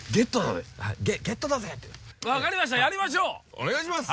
お願いします。